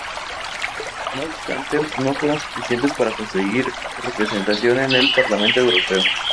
No obstante, no fueron suficientes para conseguir representación en el Parlamento Europeo.